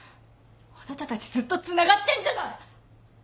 あなたたちずっとつながってんじゃない！